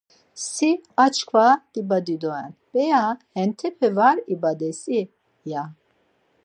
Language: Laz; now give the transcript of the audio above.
Si açkva dibadi doren, p̌eya hentepe var ibades-i, ya.